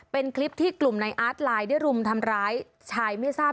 เป็นคลิปที่กลุ่มในอาร์ตไลน์ได้รุมทำร้ายชายไม่ทราบ